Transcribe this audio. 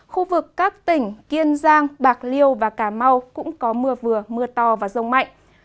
khu vực các tỉnh kiên giang bạc liêu và cà mau cũng có mưa vừa mưa to và rông mạnh